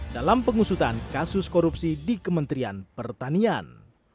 dalam pengusutan kasus korupsi di kementerian pertanian